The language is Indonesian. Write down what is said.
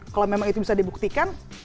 kalau memang itu bisa dibuktikan